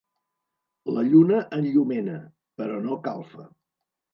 La lluna enllumena, però no calfa.